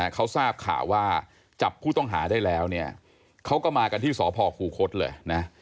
เขาทราบข่าวว่าจับผู้ต้องหาได้แล้วเนี่ยเขาก็มากันที่สพคูคศเลยนะ